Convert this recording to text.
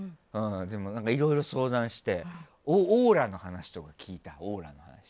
でも、いろいろ相談してオーラの話とか聞いた。